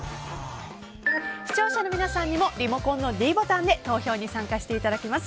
視聴者の皆さんにもリモコンのｄボタンで投票に参加していただきます。